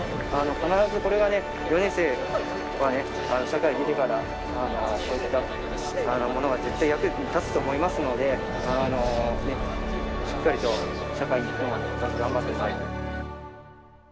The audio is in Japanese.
必ず、これが４年生はね、社会に出てから、こういったものが絶対役に立つと思いますので、しっかりと社会に行っても、頑張ってください。